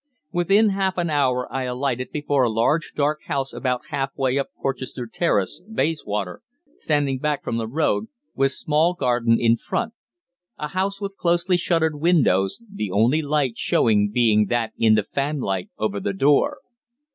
Within half an hour I alighted before a large dark house about half way up Porchester Terrace, Bayswater, standing back from the road, with small garden in front; a house with closely shuttered windows, the only light showing being that in the fanlight over the door.